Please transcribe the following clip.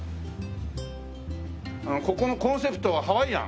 ここのコンセプトはハワイアン？